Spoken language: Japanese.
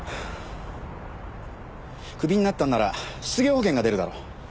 クビになったんなら失業保険が出るだろ。